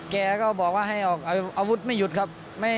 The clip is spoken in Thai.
แกก็บอกว่าให้ออกอาวุธไม่หยุดครับ